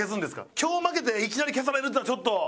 今日負けていきなり消されるっていうのはちょっと。